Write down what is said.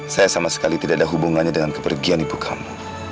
saya sama sekali tidak ada hubungannya dengan kepergian ibu kamu